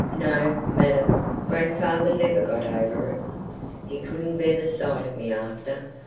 ... No, madam, grandfather never got over it. He couldn't bear the sight of me after.